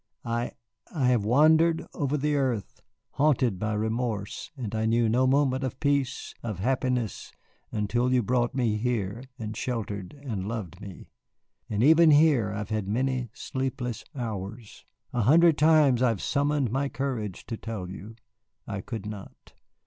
I I have wandered over the earth, haunted by remorse, and I knew no moment of peace, of happiness, until you brought me here and sheltered and loved me. And even here I have had many sleepless hours. A hundred times I have summoned my courage to tell you, I could not.